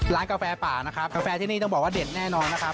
กาแฟป่านะครับกาแฟที่นี่ต้องบอกว่าเด็ดแน่นอนนะครับ